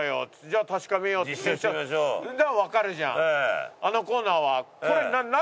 「じゃあ確かめよう」ってわかるじゃんあのコーナーは。